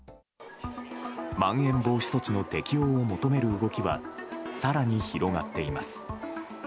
まん延防止措置の適用を求める動きは更に広がっています。